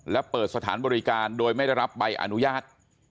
และเปิดสถานบริการโดยไม่ได้รับใบอนุญาต